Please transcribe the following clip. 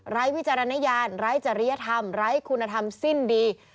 วิจารณญาณไร้จริยธรรมไร้คุณธรรมสิ้นดี